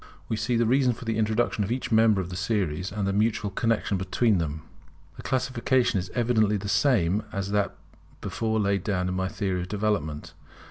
We see the reason for the introduction of each member of the series, and the mutual connexion between them. The classification is evidently the same as that before laid down in my theory of development.